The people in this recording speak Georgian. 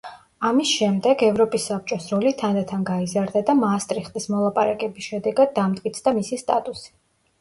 ამის შემდეგ, ევროპის საბჭოს როლი თანდათან გაიზარდა და მაასტრიხტის მოლაპარაკების შედეგად დამტკიცდა მისი სტატუსი.